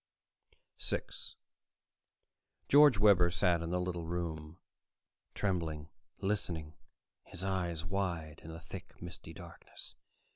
6 George Webber sat in the little room, trembling, listening, his eyes wide in the thick, misty darkness.